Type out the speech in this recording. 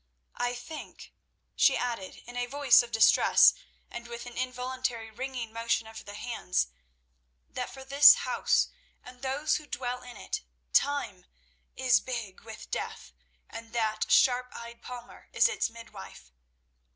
"I think," she added in a voice of distress and with an involuntary wringing motion of the hands, "that for this house and those who dwell in it time is big with death, and that sharp eyed palmer is its midwife.